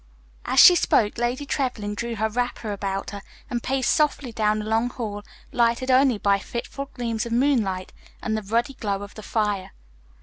As she spoke, Lady Trevlyn drew her wrapper about her and paced softly down the long hall lighted only by fitful gleams of moonlight and the ruddy glow of the fire.